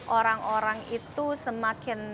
orang orang itu semakin